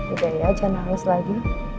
udah ya jangan nangis lagi